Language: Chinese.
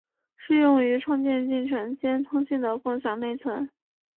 适用于创建进程间通信的共享内存。